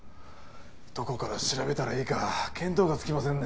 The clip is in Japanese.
どこから調べたらいいか見当がつきませんね